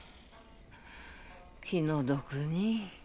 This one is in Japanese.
気の毒に。